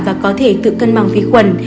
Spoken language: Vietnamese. và có thể tự cân bằng vi khuẩn